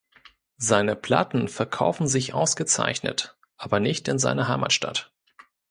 Seine Platten verkaufen sich ausgezeichnet, aber nicht in seiner Heimatstadt.